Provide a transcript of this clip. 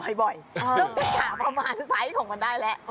เริ่มตะกะประมาณไซส์ของมันได้แล้ว